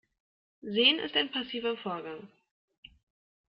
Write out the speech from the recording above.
Sehen ist ein passiver Vorgang.